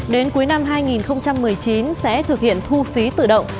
đến cuối năm hai nghìn một mươi chín sẽ thực hiện thu phí tự động